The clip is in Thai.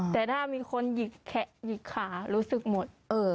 แต่ถ้ามีคนหยิกแขะหยิกขารู้สึกหมด